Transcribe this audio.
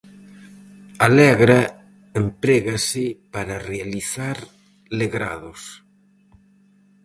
A legra emprégase para realizar legrados.